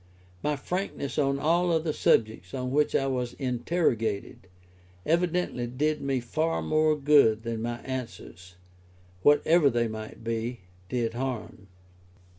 My frankness on all other subjects on which I was interrogated, evidently did me far more good than my answers, whatever they might be, did harm.